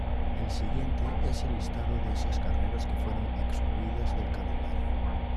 El siguiente es el listado de esas carreras que fueron excluidas del calendario.